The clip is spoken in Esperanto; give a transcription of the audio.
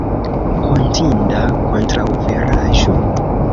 Hontinda kontraŭveraĵo!